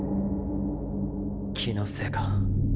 気のせいか？